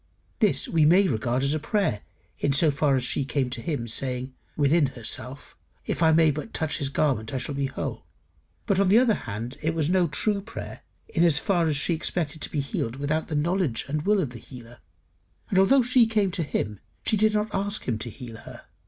This we may regard as a prayer in so far as she came to him, saying "within herself, If I may but touch his garment, I shall be whole." But, on the other hand, it was no true prayer in as far as she expected to be healed without the knowledge and will of the healer. Although she came to him, she did not ask him to heal her.